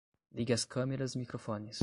Ligue as câmeras e microfones